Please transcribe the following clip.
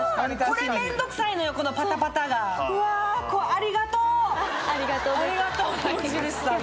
これめんどくさいのよこのパタパタがうわありがとうですありがとう無印さん